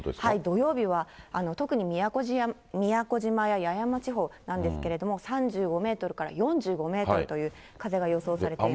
土曜日は特に宮古島や八重山地方なんですけれども、３５メートルから４５メートルという風が予想されています。